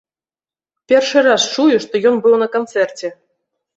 Першы раз чую, што ён быў на канцэрце.